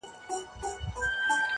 په موږ کي بند دی.